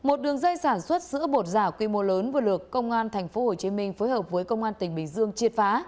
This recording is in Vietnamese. lực lượng đường dây sản xuất sữa bột giả quy mô lớn vừa lược công an tp hcm phối hợp với công an tỉnh bình dương triệt phá